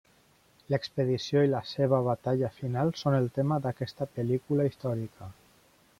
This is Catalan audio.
L'expedició i la seva batalla final són el tema d'aquesta pel·lícula històrica.